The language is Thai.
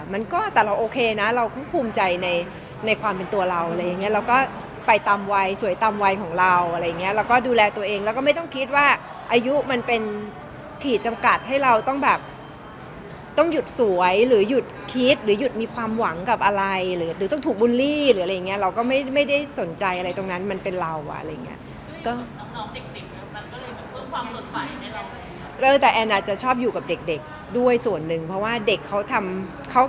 มันก็แต่เราโอเคนะเราก็ภูมิใจในความเป็นตัวเราอะไรอย่างเงี้ยเราก็ไปตามวัยสวยตามวัยของเราอะไรอย่างเงี้ยเราก็ดูแลตัวเองแล้วก็ไม่ต้องคิดว่าอายุมันเป็นขีดจำกัดให้เราต้องแบบต้องหยุดสวยหรือหยุดคิดหรือหยุดมีความหวังกับอะไรหรือต้องถูกบูลลี่หรืออะไรอย่างเงี้ยเราก็ไม่ได้สนใจอะไรตรงนั้นมันเป็นเราอ่ะอะไรอย่างเงี้ย